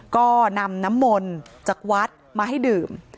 ก็นำน้ำมนต์จากวัดมาให้ดื่ม